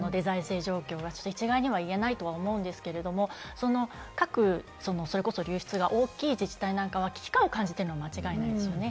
財政状況は一概に言えないと思うんですけれども、その各それこそ流出が大きい自治体なんかは危機感を感じているのは間違いないんですよね。